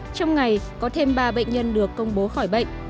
trong ngày có thêm ba bệnh nhân được công bố khỏi bệnh